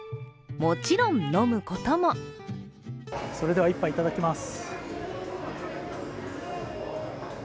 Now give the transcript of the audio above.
もちろん飲むこともそれでは一杯いただきます。